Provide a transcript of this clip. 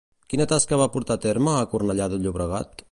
Quina tasca va portar a terme a Cornellà de Llobregat?